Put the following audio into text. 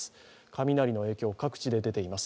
雷の影響、各地で出ています。